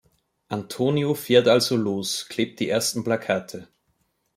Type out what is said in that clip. Antonio fährt also los, klebt die ersten Plakate.